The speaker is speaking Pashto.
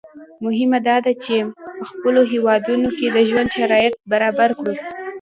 مهمه دا ده چې په خپلو هېوادونو کې د ژوند شرایط برابر کړو.